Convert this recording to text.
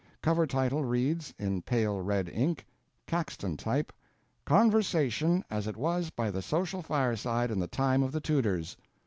Cover title reads, in pale red ink, Caxton type, Conversation As It Was By The Social Fire side In The Time Of The Tudors.